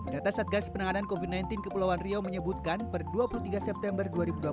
data satgas penanganan covid sembilan belas kepulauan riau menyebutkan per dua puluh tiga september dua ribu dua puluh satu